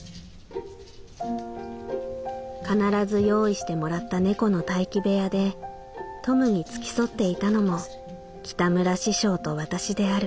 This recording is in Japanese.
「必ず用意してもらった猫の待機部屋でトムに付き添っていたのも北村師匠と私である」。